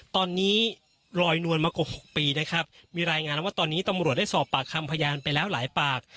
ตอนนี้ลอยนวลมากว่า๖ปีนะครับมีรายงานว่าตอนนี้ตำรวจได้สอบปากคำพยานไปแล้วหลายปาก